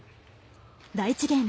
第１ゲーム。